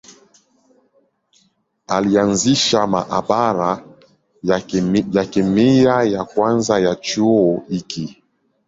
Alianzisha maabara ya kemia ya kwanza ya chuo hiki.